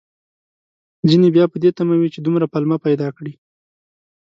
ځينې بيا په دې تمه وي، چې دومره پلمه پيدا کړي